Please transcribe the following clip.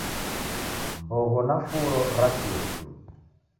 Mbogho na furo rachue shu